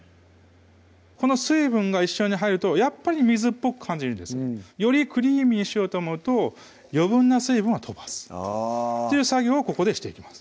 この水分が一緒に入るとやっぱり水っぽく感じるんですよりクリーミーにしようと思うと余分な水分を飛ばすという作業をここでしていきます